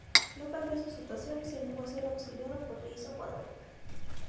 No cambió su situación y se negó a ser auxiliado por Jason Guadalupe.